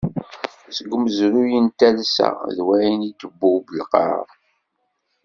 Seg umezruy n talsa d wayen i tbub lqaɛa.